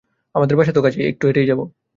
আমাদের বাসা তো কাছেই, এটুকু হেঁটেই যাব।